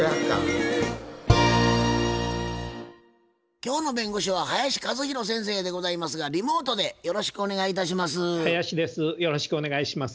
今日の弁護士は林一弘先生でございますがリモートでよろしくお願いいたします。